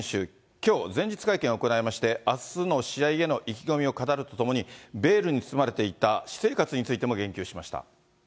きょう、前日会見を行いまして、あすの試合への意気込みを語るとともに、ベールに包まれていた私生活についても言及しました。